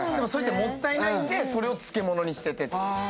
もったいないんでそれを漬物にしてて。